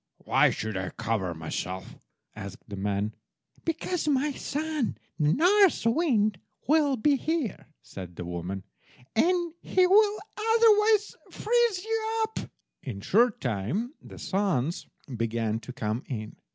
"Why should I cover myself?" asked the man. "Because, my son, the North wind, will be here," said the woman, "and he will otherwise freeze you up." In a short time the sons began to come in.